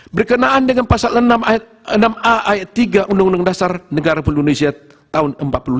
berkenaan dengan pasal enam ayat enam a ayat tiga undang undang dasar negara indonesia tahun seribu sembilan ratus empat puluh lima